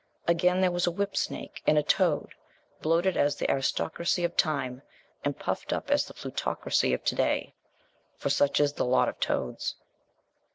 Again, there was a whipsnake, and a toad, bloated as the aristocracy of old time, and puffed up as the plutocracy of to day. For such is the lot of toads!